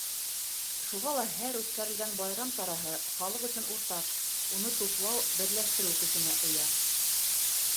Шуға ла һәр үткәрелгән байрам сараһы халыҡ өсөн уртаҡ, уны туплау, берләштереү көсөнә эйә.